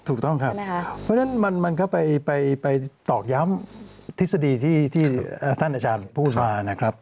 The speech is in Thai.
ถูกต้องครับเพราะฉะนั้นมันก็ไปตอกย้ำทฤษฎีที่ท่านอาจารย์พูดมานะครับ